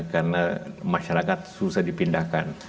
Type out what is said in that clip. karena masyarakat susah dipindahkan